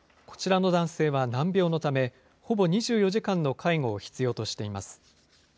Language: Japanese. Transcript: こちらの男性は難病のため、ほぼ２４時間の介護を必要としています。